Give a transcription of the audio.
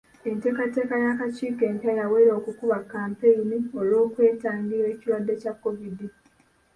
Enteekateeka y'akakiiko empya yawera okukuba kampeyini olw'okwetangira ekirwadde kya COVID.